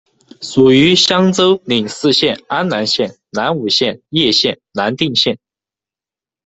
属于襄州，领四县：安南县、南舞县、叶县、南定县。